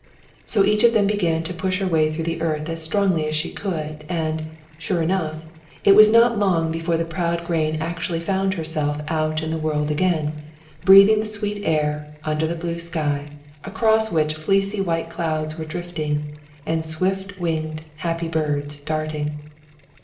So each of them began to push her way through the earth as strongly as she could, and, sure enough, it was not long before the proud grain actually found herself out in the world again, breathing the sweet air, under the blue sky, across which fleecy white clouds were drifting, and swift winged, happy birds darting.